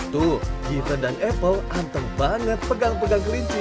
tuh given dan apple anteng banget pegang pegang kelinci